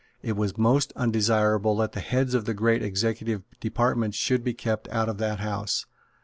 It was most undesirable that the heads of the great executive departments should be kept out of that House.